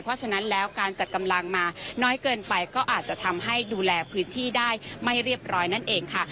เพราะฉะนั้นแล้วการจัดกำลังมาน้อยเกินไปก็อาจจะทำให้ดูแลพื้นที่ได้ไม่เรียบร้อยนั่นเองค่ะ